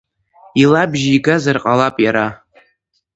Илабжьигазар ҟалап иара.